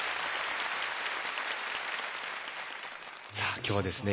さあ今日はですね